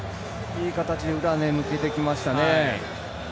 いい形で抜けてきましたね。